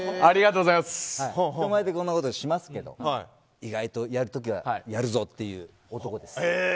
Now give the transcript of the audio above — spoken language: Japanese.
人前でこんなことしますけど意外とやるときはやるぞという男です。